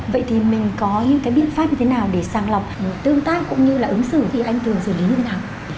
vậy thì mình có những cái biện pháp như thế nào để sàng lọc tương tác cũng như là ứng xử thì anh thường xử lý như thế nào